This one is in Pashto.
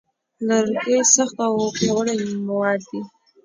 لرګی سخت او پیاوړی مواد دی.